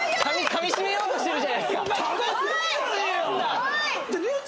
かみしめようとしてるじゃないですか！